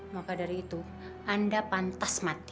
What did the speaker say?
maka dari itu anda pantas mati